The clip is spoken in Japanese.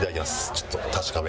ちょっと確かめ。